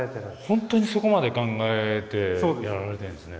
本当にそこまで考えてやられてるんですね。